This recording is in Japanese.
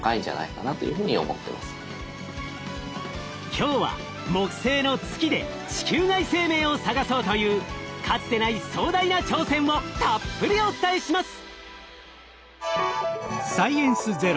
今日は木星の月で地球外生命を探そうというかつてない壮大な挑戦をたっぷりお伝えします。